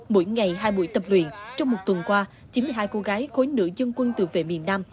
mỗi ngày hai buổi tập luyện trong một tuần qua chín mươi hai cô gái khối nữ dân quân tự vệ miền nam